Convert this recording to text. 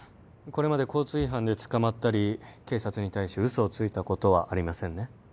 これまで交通違反で捕まったり警察に対し嘘をついたことはありませんね？